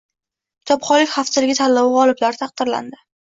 «Kitobxonlik haftaligi» tanlovi g‘oliblari taqdirlanding